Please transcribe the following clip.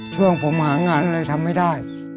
ช่วงผมหางานอะไรทำไม่ได้